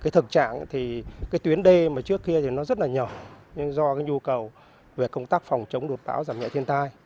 thực trạng thì tuyến đê trước kia rất nhỏ nhưng do nhu cầu về công tác phòng chống đột bão giảm nhẹ thiên tai